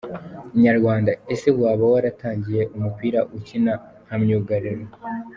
Inyarwanda: Ese waba waratangiye umupira ukina nka myugariro?.